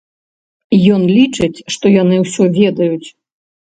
Ён лічыць, што яны ўсё ведаюць.